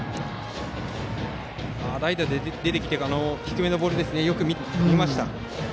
代打で出てきて低めのボールをよく見ました。